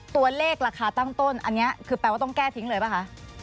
ตัวเลขราคาตั้งต้นอันนี้คือแปลว่าต้องแก้ทิ้งเลยป่ะคะ